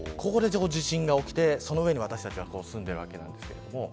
ここで地震が起きて、その上に私たちは住んでいます。